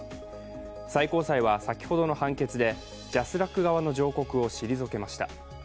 最高裁は先ほどの判決でＪＡＳＲＡＣ側の上告を退けました。